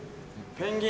ペンギン。